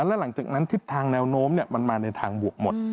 แล้วหลังจากนั้นทิศทางแนวโน้มมันมาในทางบวกหมด